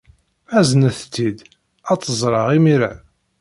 Aznet-itt-id, ad tt-ẓreɣ imir-a.